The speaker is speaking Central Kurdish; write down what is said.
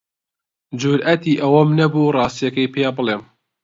جورئەتی ئەوەم نەبوو ڕاستییەکەی پێ بڵێم.